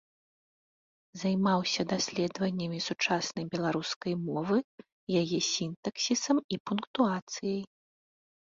Займаўся даследаваннямі сучаснай беларускай мовы, яе сінтаксісам і пунктуацыяй.